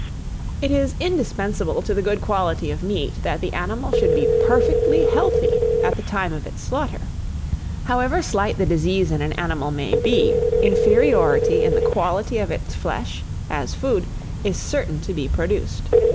IT IS INDISPENSABLE TO THE GOOD QUALITY OF MEAT, that the animal should be perfectly healthy at the time of its slaughter. However slight the disease in an animal may be, inferiority in the quality of its flesh, as food, is certain to be produced.